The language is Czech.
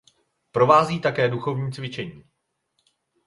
Provází také duchovní cvičení.